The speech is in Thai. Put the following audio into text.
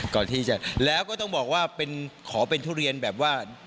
ก่อนที่จะแล้วก็ต้องบอกว่าขอเป็นทุเรียนแบบว่า